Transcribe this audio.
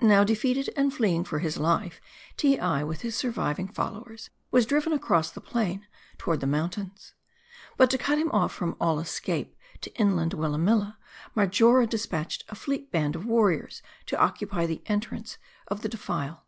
Now, defeated and fleeing for his life, Teei with his sur viving followers was driven across the plain toward the mountains. But to cut him off from all escape to inland Willamilla, Marjora dispatched a fleet band of warriors to occupy the entrance of the defile.